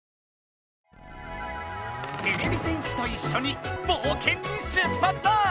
てれび戦士といっしょにぼうけんに出発だ！